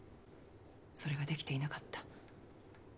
それができていなかった。